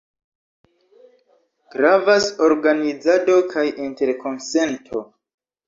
Gravas organizado kaj interkonsento.